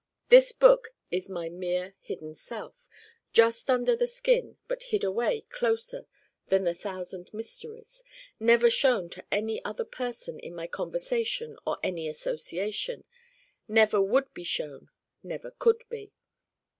This book is my mere Hidden Self just under the skin but hid away closer than the Thousand Mysteries: never shown to any other person in any conversation or any association: never would be shown: never could be.